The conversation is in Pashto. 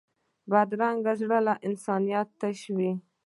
بدرنګه زړه له انسانیت تش وي